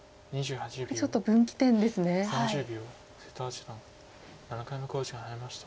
瀬戸八段７回目の考慮時間に入りました。